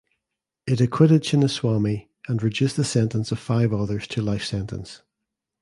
It acquitted Chinnaswamy and reduced the sentence of five others to life sentence.